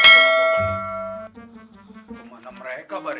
kemana mereka bari